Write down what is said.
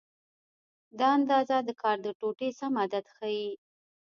دا اندازه د کار د ټوټې سم عدد ښیي.